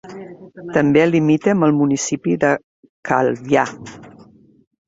També limita amb el municipi de Calvià.